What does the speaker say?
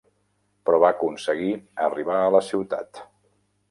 Però va aconseguir arribar a la ciutat.